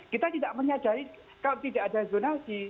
kita tidak menyadari kalau tidak ada zonasi